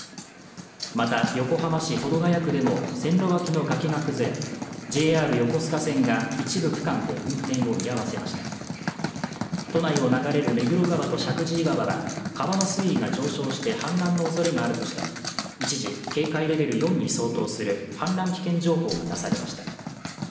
また、横浜市保土ケ谷区でも線路脇の崖が崩れＪＲ横須賀線が一部区間で運転を見合わせました都内を流れる目黒川と石神井川の水位が上昇して氾濫の恐れがあるとして、一時警戒レベル４に相当する氾濫危険情報が出されました。